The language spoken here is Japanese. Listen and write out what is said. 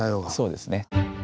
そうですね。